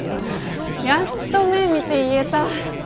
やっと目見て言えた。